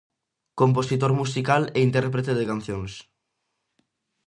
Compositor musical e intérprete de cancións.